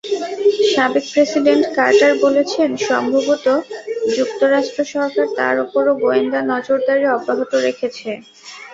সাবেক president Carter বলেছেন, সম্ভবত যুক্তরাষ্ট্র সরকার তাঁর ওপরও গোয়েন্দা নজরদারি অব্যাহত রেখেছে।